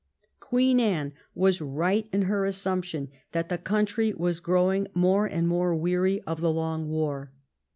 Queen Anne was right in her assumption that the country was growing more and more weary of the long war.